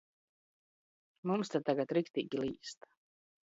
Mums te tagad riktīgi līst.